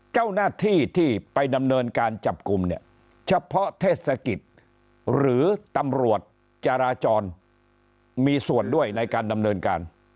เจ้าหน้าที่ที่ไปดำเนินการจับกลุ่มเนี่ยเฉพาะเทศกิจหรือตำรวจจาราจรมีส่วนด้วยในการดำเนินการ